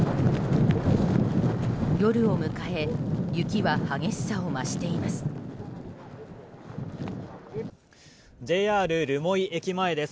夜を迎え雪は激しさを増しています。